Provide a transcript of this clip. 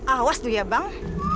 awas tuh ya bang